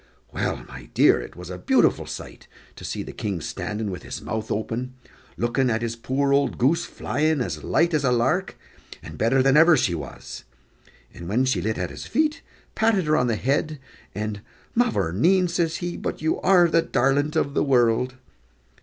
Well, my dear, it was a beautiful sight to see the King standing with his mouth open, looking at his poor old goose flying as light as a lark, and better than ever she was; and when she lit at his feet, patted her on the head, and "Mavourneen," says he, "but you are the darlint o' the world."